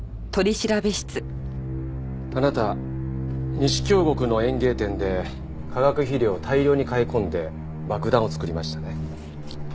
あなた西京極の園芸店で化学肥料を大量に買い込んで爆弾を作りましたね？